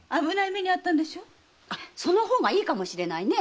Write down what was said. その方がいいかもしれないねえ。